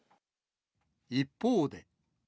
一方で。